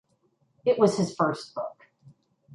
It was his first book.